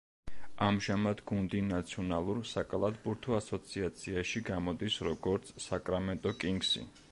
ამჟამად გუნდი ნაციონალურ საკალათბურთო ასოციაციაში გამოდის, როგორც საკრამენტო კინგსი.